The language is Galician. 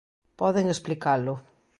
Poden explicalo.